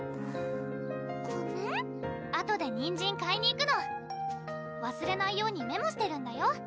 あとでにんじん買いに行くのわすれないようにメモしてるんだよ